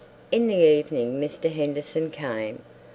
In the evening Mr. Henderson came.